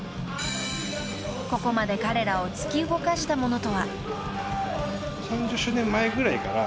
［ここまで彼らを突き動かしたものとは］